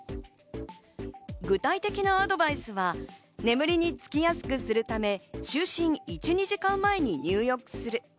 具体的なアドバイスは眠りにつきやすくするため、就寝１２時間前に入浴する。